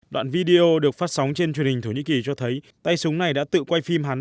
đoạn video được phát sóng trên truyền hình thổ nhĩ kỳ cho thấy tay súng này đã tự quay phim hán